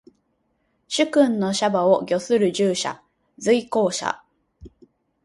主君の車馬を御する従者。随行者。